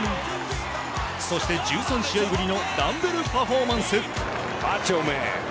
そして１３試合ぶりのダンベルパフォーマンス。